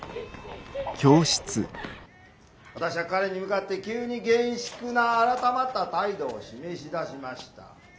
「私は彼に向かって急に厳粛な改まった態度を示し出しました。